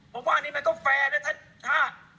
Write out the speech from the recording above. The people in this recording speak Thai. ผมว่าอันนี้มันก็แฟร์แล้วถ้าเอาง่ายเลย